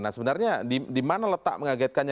nah sebenarnya dimana letak mengagetkannya